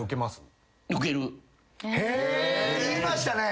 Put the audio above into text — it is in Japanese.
言いましたね。